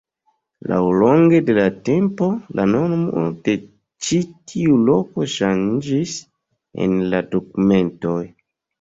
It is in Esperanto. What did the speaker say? Laŭlonge de la tempo, la nomo de ĉi tiu loko ŝanĝis en la dokumentoj.